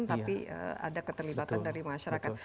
tapi ada keterlibatan dari masyarakat